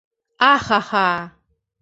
- А-ха-ха